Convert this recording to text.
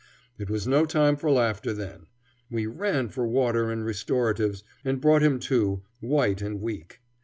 It was no time for laughter then. We ran for water and restoratives, and brought him to, white and weak.